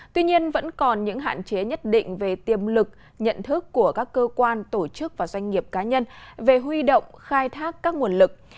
tuy nhiên vẫn còn những hạn chế nhất định về tiềm lực nhận thức của các cơ quan tổ chức và doanh nghiệp cá nhân về huy động khai thác các nguồn lực